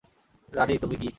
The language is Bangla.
রানী, তুমি কি?